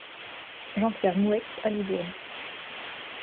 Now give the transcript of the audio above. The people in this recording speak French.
Jean-Pierre Moueix à Libourne.